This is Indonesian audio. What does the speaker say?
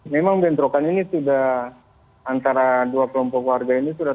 memang bentrokan ini sudah antara dua kelompok warga ini sudah